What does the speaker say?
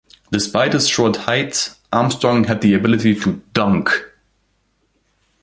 Despite his short height, Armstrong had the ability to dunk.